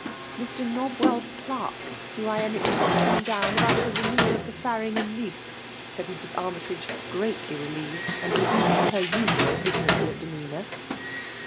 '^ Mr. NebwelVs clerk, whom I am expecting down about the renewal of the Farringham lease,*' said Mrs. Armytage, greatly relieved, and resuming her usual dignity of demeanour.